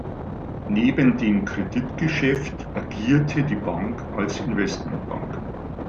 Neben dem Kreditgeschäft agierte die Bank als Investmentbank.